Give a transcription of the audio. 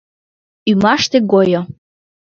— Ӱмаште гойо.